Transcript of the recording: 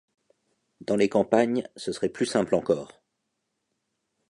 Dans les campagnes, ce serait plus simple encore.